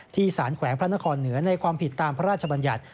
สารแขวงพระนครเหนือในความผิดตามพระราชบัญญัติ